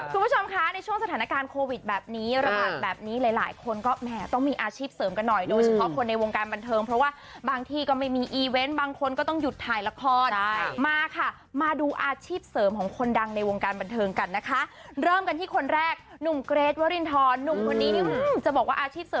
คุณผู้ชมคะในช่วงสถานการณ์โควิดแบบนี้ระบาดแบบนี้หลายหลายคนก็แหมต้องมีอาชีพเสริมกันหน่อยโดยเฉพาะคนในวงการบันเทิงเพราะว่าบางที่ก็ไม่มีอีเวนต์บางคนก็ต้องหยุดถ่ายละครมาค่ะมาดูอาชีพเสริมของคนดังในวงการบันเทิงกันนะคะเริ่มกันที่คนแรกหนุ่มเกรทวรินทรหนุ่มคนนี้นี่จะบอกว่าอาชีพเส